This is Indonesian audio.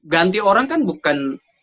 ganti orang kan bukan